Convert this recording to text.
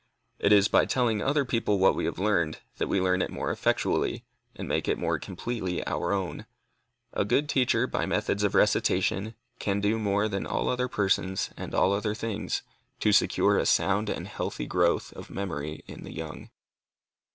It is by telling other people what we have learned, that we learn it more effectually, and make it more completely our own. A good teacher, by good methods of recitation, can do more than all other persons and all other things to secure a sound and healthy growth of memory in the young.